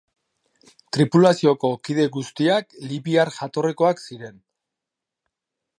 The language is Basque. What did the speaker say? Tripulazioko kide guztiak libiar jatorrikoak ziren.